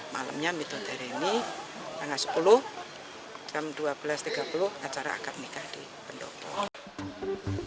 malamnya mitode ini tanggal sepuluh jam dua belas tiga puluh acara akad nikah di pendopo